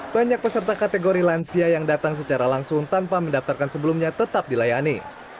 banyak peserta kategori lansia yang datang secara langsung tanpa mendaftarkan sebelumnya tetap dilayani